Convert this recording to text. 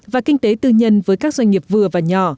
và kinh tế tư nhân với các doanh nghiệp vừa và nhỏ